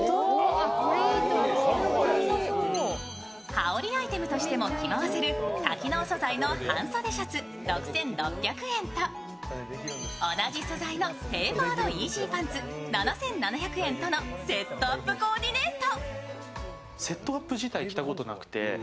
羽織りアイテムとしても着回せる多機能素材の半袖シャツ６６００円と同じ素材のテーパードイージーパンツ７７００円とのセットアップコーディネート。